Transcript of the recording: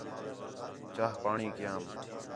چاہ، پاݨی کیام